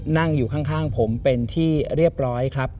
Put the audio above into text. นั่งอยู่ข้างผมเป็นที่เรียบร้อยครับ